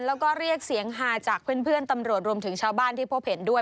แล้วก็เรียกเสียงฮาจากเพื่อนตำรวจรวมถึงชาวบ้านที่พบเห็นด้วย